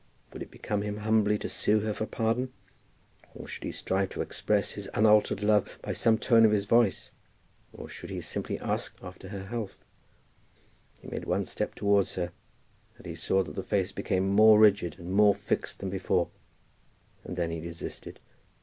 Would it become him humbly to sue to her for pardon? Or should he strive to express his unaltered love by some tone of his voice? Or should he simply ask her after her health? He made one step towards her, and he saw that the face became more rigid and more fixed than before, and then he desisted.